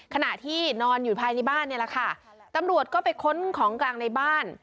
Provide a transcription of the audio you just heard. ขณะที่นอนอยู่ภายในบ้านเนี่ยแหละค่ะตำรวจก็ไปค้นของกลางในบ้าน